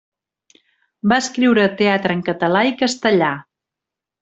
Va escriure teatre en català i castellà.